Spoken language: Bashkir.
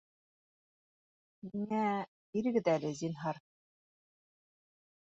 Миңә... бирегеҙ әле, зинһар